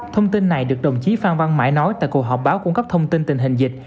thông tin này được đồng chí phan văn mãi nói tại cuộc họp báo cung cấp thông tin tình hình dịch